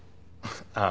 ああ。